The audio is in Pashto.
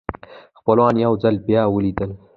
خپلوان یو ځل بیا ولیدل.